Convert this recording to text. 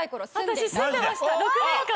私住んでました６年間。